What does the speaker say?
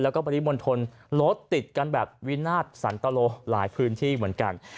แล้วก็ปริมณฑลรถติดกันแบบวินาศสันตะโลหลายพื้นที่เหมือนกัน